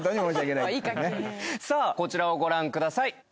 さあこちらをご覧ください。